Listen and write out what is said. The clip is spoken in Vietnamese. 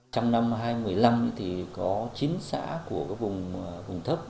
trong năm hai nghìn một mươi năm thì có chín xã của vùng vùng thấp